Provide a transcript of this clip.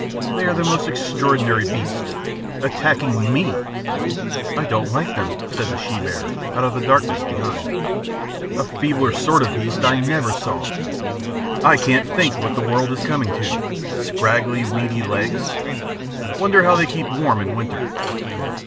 "They are the most extraordinary beasts. Attacking me!" "I don't like them," said the she bear, out of the darkness behind. "A feebler sort of beast I never saw. I can't think what the world is coming to. Scraggy, weedy legs.... Wonder how they keep warm in winter?"